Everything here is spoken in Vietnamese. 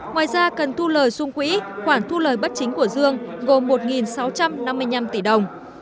ngoài ra cần thu lời sung quỹ khoản thu lời bất chính của dương gồm một sáu trăm năm mươi năm tỷ đồng